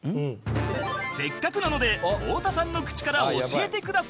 せっかくなので太田さんの口から教えてください